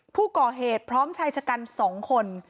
ผู้ก่อเหตุพร้อมชายจักร๒คน